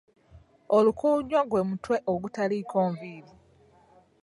Olukuunwa gwe mutwe ogutaliiko nviiri.